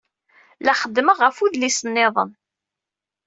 La xeddmeɣ ɣef udlis niḍen.